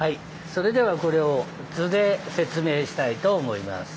それではこれを図で説明したいと思います。